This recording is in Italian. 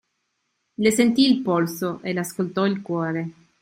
Le sentì il polso, le ascoltò il cuore.